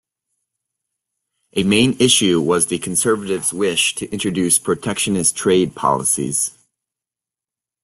A main issue was the Conservatives' wish to introduce protectionist trade policies.